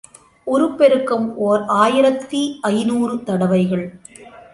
உருப்பெருக்கம் ஓர் ஆயிரத்து ஐநூறு தடவைகள்.